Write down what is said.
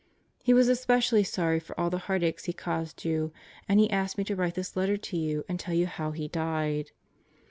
He was especially sorry for all the heartaches he caused you, and he asked me to write this letter to you and tell you how he died.